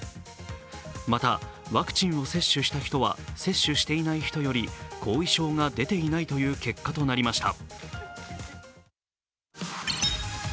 またワクチンを接種した人は接種していない人より後遺症が出ていないという結果となりました。